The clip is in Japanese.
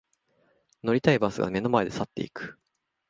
乗りたいバスが目の前で去っていく